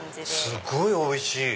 すっごいおいしい！